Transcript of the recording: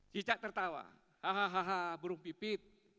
cicak tertawa hahaha burung pipit